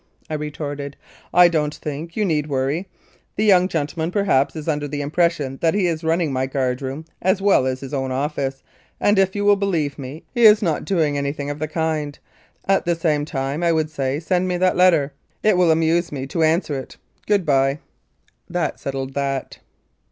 I retorted. "I don't think you need worry. The young gentleman perhaps is under the im pression that he is running my guard room as well as his own office; and if you will believe me, he is not doing anything of the kind. At the same time I would say, send me that letter. It will amuse me to answer it. Good bye." That settled that.